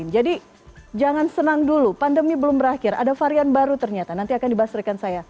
jadi jangan senang dulu pandemi belum berakhir ada varian baru ternyata nanti akan dibahas rekan saya